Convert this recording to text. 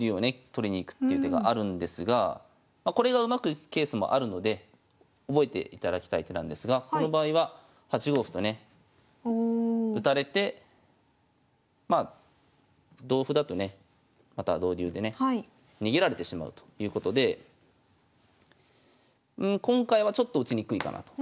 取りに行くっていう手があるんですがこれがうまくいくケースもあるので覚えていただきたい手なんですがこの場合は８五歩とね打たれてまあ同歩だとねまた同竜でね逃げられてしまうということで今回はちょっと打ちにくいかなと。